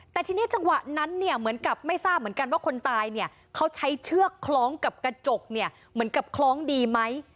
แต่ทีนี้จังหวะนั้นเนี่ยเหมือนกับไม่ทราบเหมือนกันว่าคนตายเนี่ยเขาใช้เชือกคล้องกับกระจกเนี่ยเหมือนกับคล้องดีไหม